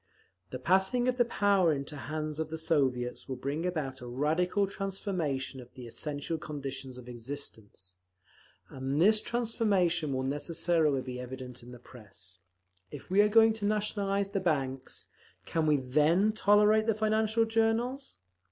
The passing of the power into the hands of the Soviets will bring about a radical transformation of the essential conditions of existence, and this transformation will necessarily be evident in the Press…. If we are going to nationalise the banks, can we then tolerate the financial journals?